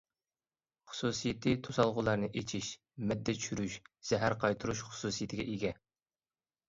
خۇسۇسىيىتى توسالغۇلارنى ئېچىش، مەددە چۈشۈرۈش، زەھەر قايتۇرۇش خۇسۇسىيىتىگە ئىگە.